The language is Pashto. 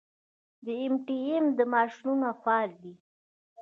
د ای ټي ایم ماشینونه فعال دي؟